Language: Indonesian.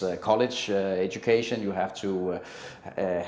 anda harus memiliki pendidikan sekolah anak anak anda